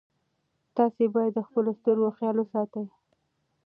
تاسي باید د خپلو سترګو خیال وساتئ.